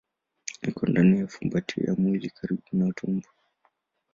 Iko ndani ya fumbatio ya mwili karibu na tumbo.